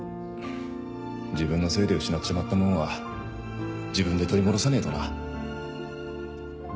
自分のせいで失っちまったもんは自分で取り戻さねえとな。